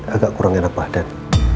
agak kurang enak badan